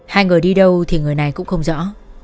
hai người đi đâu thì người này cũng không rõ